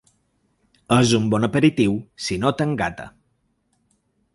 És un bon aperitiu si no t'engata